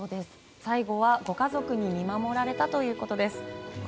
最後は、ご家族に見守られたということです。